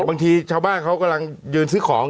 บางทีชาวบ้านเขากำลังยืนซื้อของ